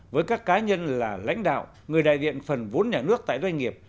với các cá nhân là lãnh đạo người đại diện phần vốn nhà nước tại doanh nghiệp